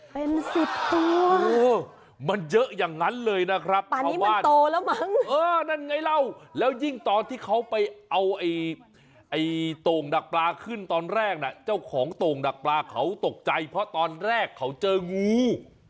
เป็นสิบตัวมันเยอะอย่างนั้นเลยนะครับเพราะว่าโตแล้วมั้งเออนั่นไงเล่าแล้วยิ่งตอนที่เขาไปเอาไอ้โต่งดักปลาขึ้นตอนแรกน่ะเจ้าของโต่งดักปลาเขาตกใจเพราะตอนแรกเขาเจองู